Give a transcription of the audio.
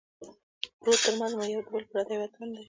پروت ترمنځه مو یو یا بل پردی وطن دی